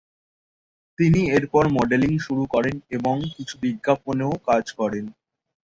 তিনি এরপর মডেলিং শুরু করেন এবং কিছু বিজ্ঞাপন এও কাজ করেন।